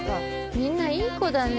みんないい子だね